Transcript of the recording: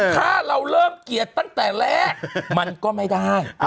ถ้าเราเริ่มเกียรติตั้งแต่แรกมันก็ไม่ได้